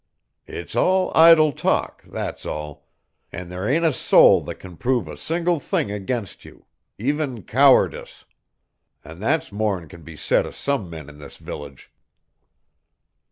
It's all idle talk, that's all; an' there ain't a soul that can prove a single thing against you, even cowardice. An' that's more'n can be said o' some men in this village."